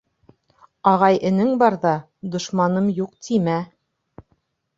Ағай-энең барҙа, «дошманым юҡ» тимә